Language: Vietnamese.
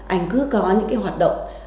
anh cứ có những hoạt động